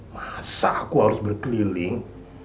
masa aku harus berkeliling